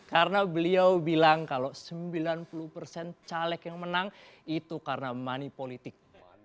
karena beliau bilang kalau sembilan puluh caleg yang menang itu karena money politik